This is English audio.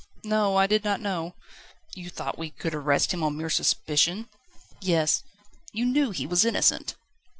"No; I did not know." "You thought we could arrest him on mere suspicion?" "Yes." "You knew he was Innocent?"